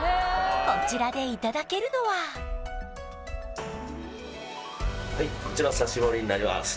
こちらでいただけるのははいこちら刺し盛になります